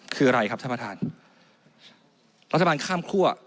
คืออะไรครับท่านประธานรัฐบาลข้ามคั่ว